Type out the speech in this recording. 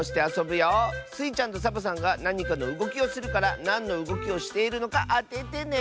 スイちゃんとサボさんがなにかのうごきをするからなんのうごきをしているのかあててね！